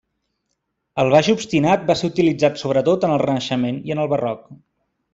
El baix obstinat va ser utilitzat sobretot en el Renaixement i en el Barroc.